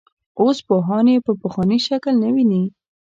اوس پوهان یې په پخواني شکل نه ویني.